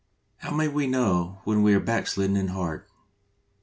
*' How may we know when we are backslidden in heart